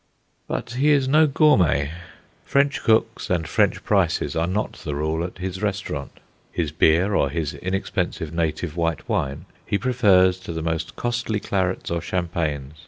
But he is no gourmet. French cooks and French prices are not the rule at his restaurant. His beer or his inexpensive native white wine he prefers to the most costly clarets or champagnes.